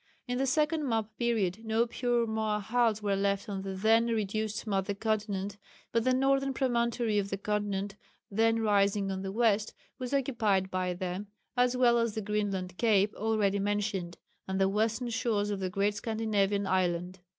In the second map period no pure Rmoahals were left on the then reduced mother continent, but the northern promontory of the continent then rising on the west was occupied by them, as well as the Greenland cape already mentioned, and the western shores of the great Scandinavian island.